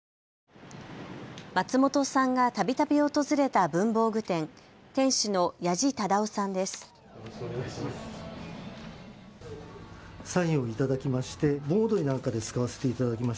松本さんがたびたび訪れた文房具店、店主の矢治忠夫さんです。